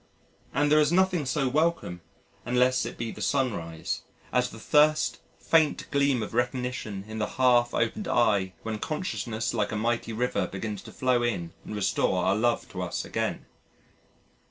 And there is nothing so welcome, unless it be the sunrise, as the first faint gleam of recognition in the half opened eye when consciousness like a mighty river begins to flow in and restore our love to us again.